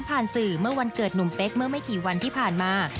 สื่อเมื่อวันเกิดหนุ่มเป๊กเมื่อไม่กี่วันที่ผ่านมา